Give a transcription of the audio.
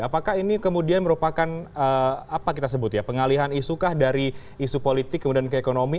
apakah ini kemudian merupakan apa kita sebut ya pengalihan isu kah dari isu politik kemudian ke ekonomi